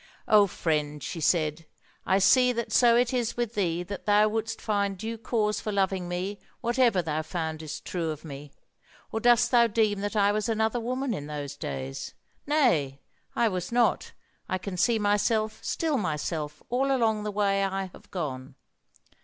"O friend," she said, "I see that so it is with thee that thou wouldst find due cause for loving me, whatever thou foundest true of me. Or dost thou deem that I was another woman in those days? Nay, I was not: I can see myself still myself all along the way I have gone."